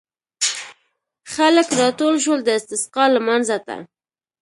خلک راټول شول د استسقا لمانځه ته.